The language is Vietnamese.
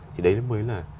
thì đấy mới là